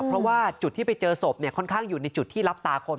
เพราะว่าจุดที่ไปเจอศพค่อนข้างอยู่ในจุดที่รับตาคน